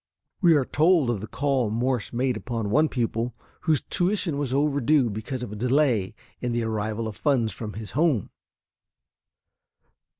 We are told of the call Morse made upon one pupil whose tuition was overdue because of a delay in the arrival of funds from his home.